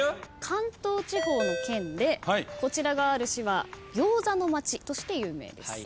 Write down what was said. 関東地方の県でこちらがある市は餃子の街として有名です。